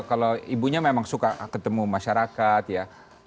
kalau ibunya memang suka ketemu masyarakat ya